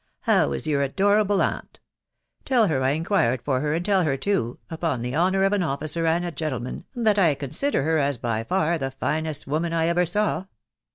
How is your adorable aunt ?.... Tell her I in gad ig ill far her, and tell her, too, upon the honour of an afiatr aadt a. gentleman, that I consider her as by far the finest mnn I ever saw.